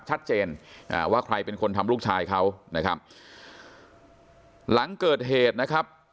อ่าว่าใครเป็นคนทำลูกชายเขานะครับหลังเกิดเหตุนะครับ